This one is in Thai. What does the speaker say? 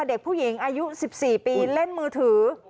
เด็กผู้หญิงอายุ๑๔ปีเล่นมือถือ